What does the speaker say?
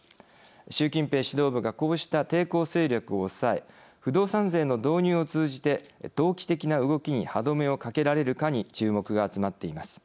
習近平指導部がこうした抵抗勢力を抑え不動産税の導入を通じて投機的な動きに歯止めをかけられるかに注目が集まっています。